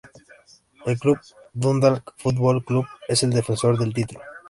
El club Dundalk Football Club es el defensor del título.